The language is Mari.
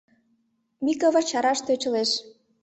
— Микывыр чараш тӧчылеш.